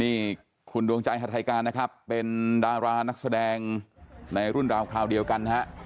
นี่คุณดวงใจฮาไทยการนะครับเป็นดารานักแสดงในรุ่นราวคราวเดียวกันฮะ